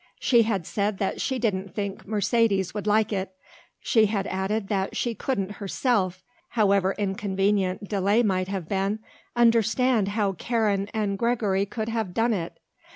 She had said that she didn't think Mercedes would like it, she had added that she couldn't herself, however inconvenient delay might have been, understand how Karen and Gregory could have done it.